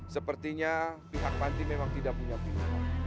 sepertinya pihak panti memang tidak punya pilihan